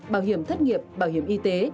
bảo hiểm thất nghiệp bảo hiểm y tế